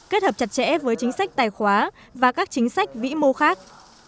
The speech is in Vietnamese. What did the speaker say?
kết hợp chặt chẽ với chính sách tài khoá và các chính sách vĩ mô khác